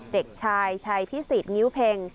เด็กชายชัยพิสิทธงิ้วเพ็ง